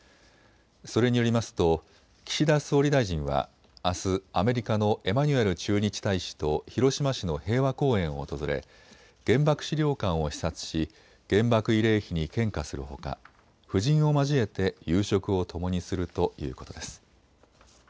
それによりますと岸田総理大臣はあす、アメリカのエマニュエル駐日大使と広島市の平和公園を訪れ原爆資料館を視察し原爆慰霊碑に献花するほか夫人を交えて夕食をともにするということです。